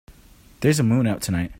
There's a moon out tonight.